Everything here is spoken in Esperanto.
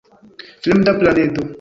Fremda planedo.